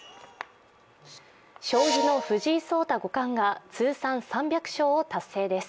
将棋の藤井聡太五冠が通算３００勝を達成です。